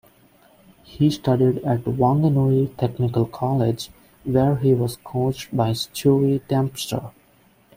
He studied at Wanganui Technical College, where he was coached by Stewie Dempster.